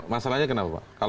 masalahnya kenapa pak